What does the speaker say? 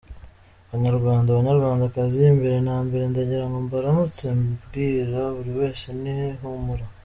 Banyarwanda banyarwandakazi mbere na mbere ndagirango mbaramutse mbwira buri wese nti Humura.